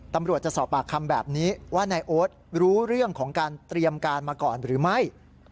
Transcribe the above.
ตำรวจจะสอบปากคำแบบนี้ว่านายโอ๊ตรู้เรื่องของการเตรียมการมาก่อนหรือไม่